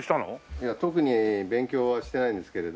いや特に勉強はしてないんですけれど。